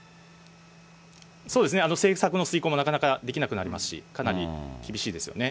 そうですね、政策の遂行もなかなかできなくなりますし、かなり厳しいですよね。